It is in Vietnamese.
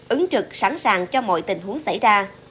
ứng trực sẵn sàng cho mọi tình huống xảy ra